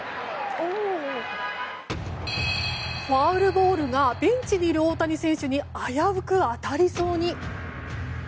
ファウルボールがベンチにいる大谷選手に危うく当たりそうに。